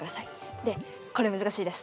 でこれ難しいです。